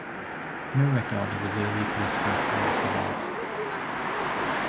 No record of his earlier political career survives.